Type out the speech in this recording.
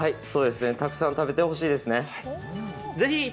そうですね、たくさん食べてほしいですね。